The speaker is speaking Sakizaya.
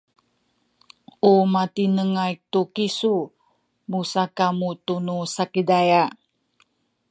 u matinengay tu kisu musakamu tunu Sakizaya